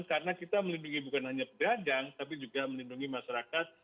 karena kita melindungi bukan hanya pedagang tapi juga melindungi masyarakat